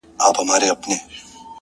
میکده په نامه نسته ـ هم حرم هم محرم دی ـ